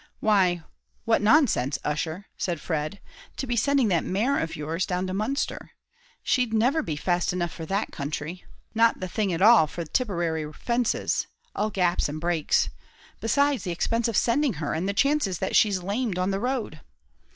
"Why, what nonsense, Ussher," said Fred, "to be sending that mare of yours down to Munster; she'd never be fast enough for that country not the thing at all for Tipperary fences all gaps and breaks; besides the expense of sending her, and the chances that she's lamed on the road.